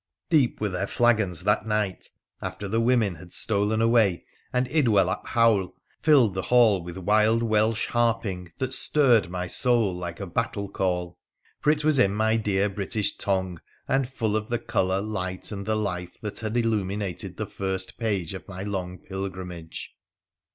Deep were their flagons that night, after the women had stolen away, and Idwal ap Howell filled the hall with wild Welsh harping that stirred my soul like a battle call ; for it was in my dear British tongue, and full of the colour, light, and the life that had illuminated the first page of my long pil grimage.